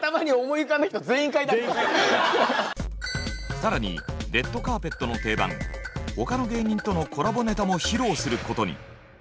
更に「レッドカーペット」の定番他の芸人とのコラボネタも披露することに。